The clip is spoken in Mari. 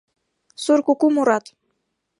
Сур куку мурат